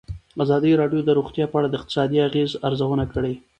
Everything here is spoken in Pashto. ازادي راډیو د روغتیا په اړه د اقتصادي اغېزو ارزونه کړې.